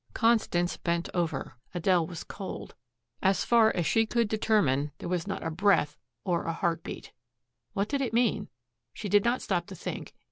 Constance bent over. Adele was cold. As far as she could determine there was not a breath or a heart beat! What did it mean? She did not stop to think.